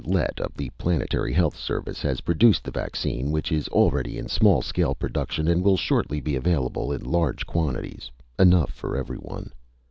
Lett, of the planetary health service, has produced the vaccine which is already in small scale production and will shortly be available in large quantities, enough for everyone!